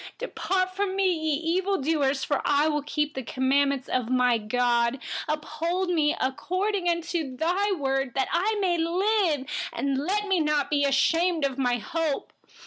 115Depart from me, you evildoers, that I may keep the commandments of my God. 116Uphold me according to your word, that I may live. Let me not be ashamed of my hope.